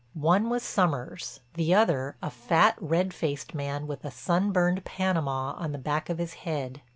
One was Sommers, the other a fat, red faced man with a sunburned Panama on the back of his head.